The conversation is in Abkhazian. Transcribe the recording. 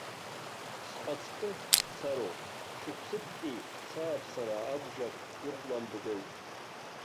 Схаҵкы дцароуп, шықәсыктәи сааԥсара абжак ихәламбгеи.